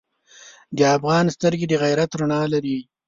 د افغان سترګې د غیرت رڼا لري.